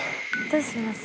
どうします？